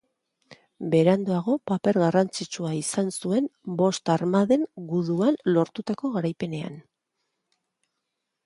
Beranduago, paper garrantzitsua izan zuen Bost Armaden guduan lortutako garaipenean.